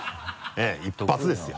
えぇ一発ですよ。